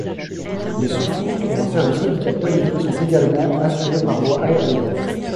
Les secours et un service médical périodique sont également assurés par voie aérienne.